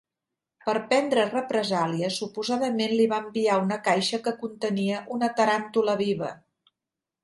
Per prendre represàlies, suposadament li va enviar una caixa que contenia una taràntula viva.